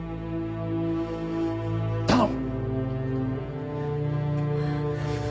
頼む。